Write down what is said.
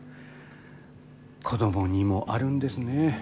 子供にもあるんですね。